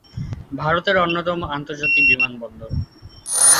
ভারতের অন্যতম আন্তর্জাতিক বিমানবন্দর।